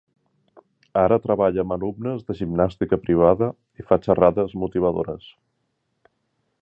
Ara treballa amb alumnes de gimnàstica privada i fa xerrades motivadores.